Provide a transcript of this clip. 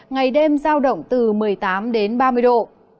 ngày đêm giao động từ một mươi tám đến ba mươi độ